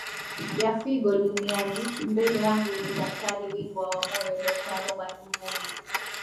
ya figo duniani mbele yangu ni daktari bingwa wa moyo dokta robert mvungi